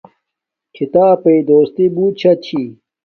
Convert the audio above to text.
کھیتاپݵ دوستی بوت شاہ چھی